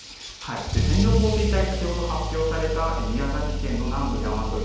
線状降水帯、先ほど発表された宮崎県の南部山沿い